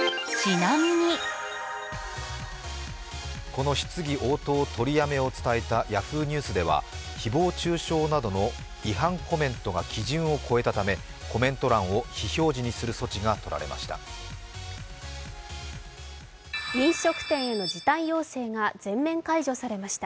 この質疑応答取りやめを伝えたＹａｈｏｏ！ニュースでは誹謗中傷などの違反コメントが基準を超えたため、コメント欄を非表示にする措置がとられました。